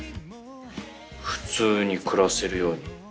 普通に暮らせるように。